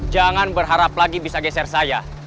jangan berharap lagi bisa geser saya